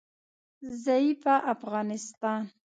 ضعیفه افغانستان